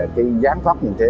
cái gián phóc như thế